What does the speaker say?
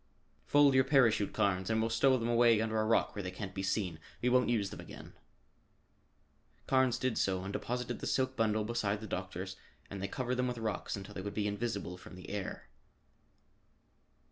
"Fold your parachute, Carnes, and we'll stow them away under a rock where they can't be seen. We won't use them again." Carnes did so and deposited the silk bundle beside the doctor's, and they covered them with rocks until they would be invisible from the air.